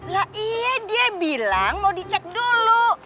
lah iya dia bilang mau dicek dulu